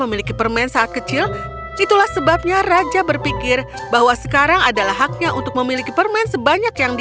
untuk memiliki permen sebanyak yang bisa raja memiliki permen itu adalah sebabnya raja berpikir bahwa sekarang adalah haknya untuk memiliki permen sebanyak yang bisa